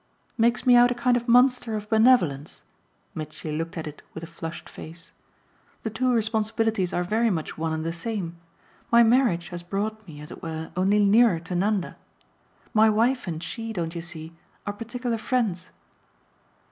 "Makes me out a kind of monster of benevolence?" Mitchy looked at it with a flushed face. "The two responsibilities are very much one and the same. My marriage has brought me, as it were, only nearer to Nanda. My wife and she, don't you see? are particular friends."